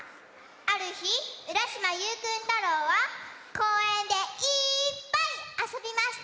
あるひうらしまゆうくん太郎はこうえんでいっぱいあそびました。